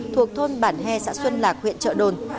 thuộc thôn bản he xã xuân lạc huyện trợ đồn